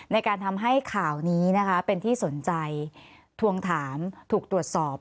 ในการทำให้ข่าวนี้นะคะเป็นที่สนใจทวงถามถูกตรวจสอบ